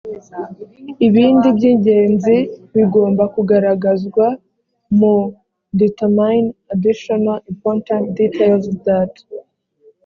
ibindi by ingenzi bigomba kugaragazwa mu determine additional important details that